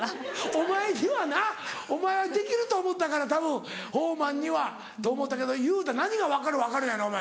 お前にはなお前はできると思ったからたぶん宝満には。と思ったけど裕太何が「分かる分かる」やねんお前。